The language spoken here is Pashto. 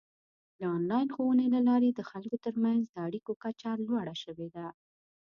د آنلاین ښوونې له لارې د خلکو ترمنځ د اړیکو کچه لوړه شوې ده.